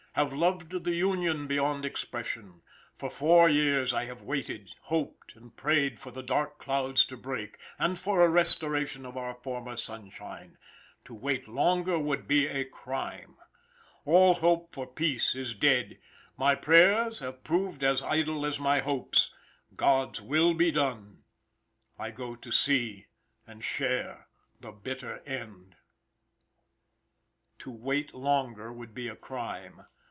Have loved the Union beyond expression. For four years have I waited, hoped and prayed for the dark clouds to break, and for a restoration of our former sunshine. To wait longer would be a crime. All hope for peace is dead. My prayers have proved as idle as my hopes. God's will be done. I go to see and share the bitter end." To wait longer would be a crime.